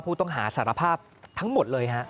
ผู้ต้องหาสารภาพทั้งหมดเลยฮะ